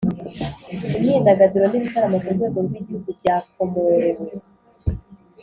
Imyidagaduro n’ ibitaramo ku rwego rw ‘Igihugu byakomorewe